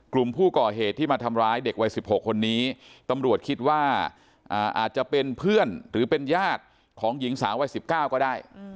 กลุ่มผู้ก่อเหตุที่มาทำร้ายเด็กวัย๑๖คนนี้ตำรวจคิดว่าอาจจะเป็นเพื่อนหรือเป็นญาติของหญิงสาววัย๑๙ก็ได้